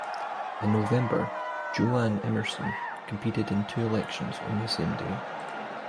In November, Jo Ann Emerson competed in two elections on the same day.